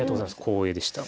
光栄でした。